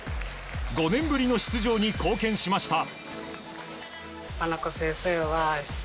５年ぶりの出場に貢献しました。